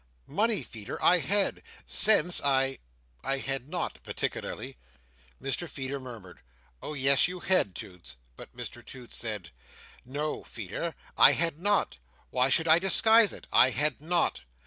Money, Feeder, I had. Sense I—I had not, particularly." Mr Feeder murmured, "Oh, yes, you had, Toots!" But Mr Toots said: "No, Feeder, I had not. Why should I disguise it? I had not.